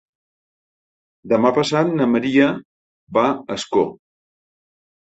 Demà passat na Maria va a Ascó.